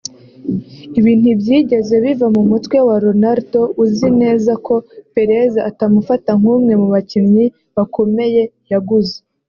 Ibi ntibyigeze biva mu mutwe wa Ronaldo uzi neza ko Perez atamufata nk’umwe mu bakinnyi bakomeye yaguze